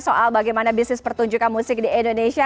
soal bagaimana bisnis pertunjukan musik di indonesia